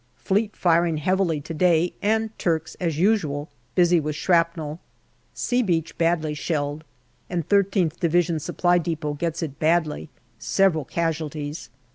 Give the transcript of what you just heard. Fleet firing heavily to day, and Turks, as usual, busy with shrapnel. " C " Beach badly shelled, and I3th Division Supply depot gets it badly ; several casualties.